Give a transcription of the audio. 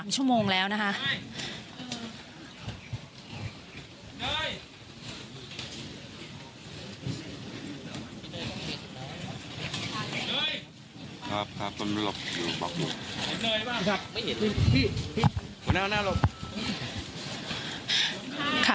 ชั่วโมงแล้วนะคะ